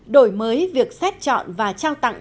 đổi mới việc xét chọn và trao tặng